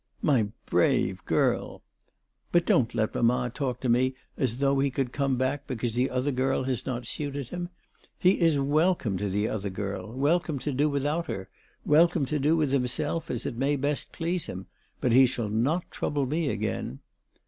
" My brave girl !"" But don't let mamma talk to me as though he could come back because the other girl has not suited him. He is welcome to the other girl, welcome to do with out her, welcome to do with himself as it may best please him ; but he shall not trouble me again."